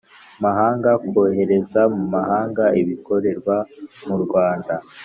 mahanga kohereza mu mahanga ibikorerwa mu Rwanda